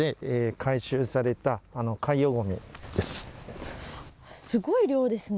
すごい量ですね。